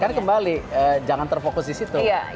kan kembali jangan terfokus di situ